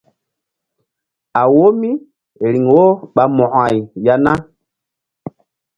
A wo míriŋ wo ɓa mo̧ko-ay ya na?